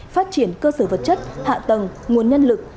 phát triển cơ sở vật chất hạ tầng nguồn nhân lực